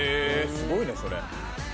すごいねそれ。